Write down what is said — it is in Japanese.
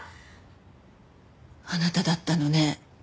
あなただったのね。